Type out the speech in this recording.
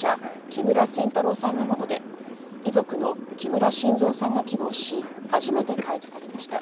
木村仙太郎さんのもので遺族の木村真三さんが希望し初めて開示されました。